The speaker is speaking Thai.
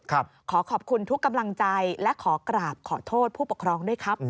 ขอขอบคุณทุกกำลังใจและขอกราบขอโทษผู้ปกครองด้วยครับ